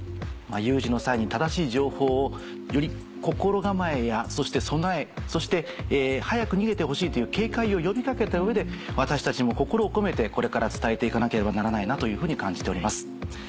有事の際に正しい情報をより心構えや備えそして早く逃げてほしいという警戒を呼び掛けた上で私たちも心を込めてこれから伝えて行かなければならないなというふうに感じております。